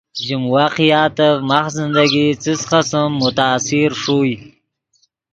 ژیم واقعاتف ماخ زندگی څس قسم متاثر ݰوئے